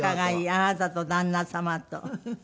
あなたと旦那様と。